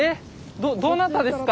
どどなたですか？